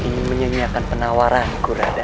aku ingin menyediakan penawaranku radha